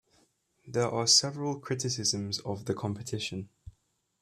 There are several criticisms of the competition.